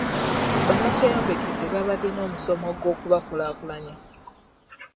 Bannakyeyombekedde baabadde n'omusomo gw'okubakulaakulanya.